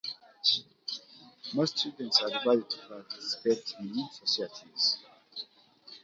Most students are required to participate in societies.